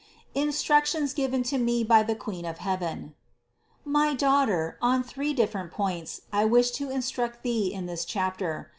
INSTRUCTIONS GIVEN TO ME BY THE QUEEN OF HEAVEN. 375. My daughter, on three different points, I wish to instruct thee in this chapter.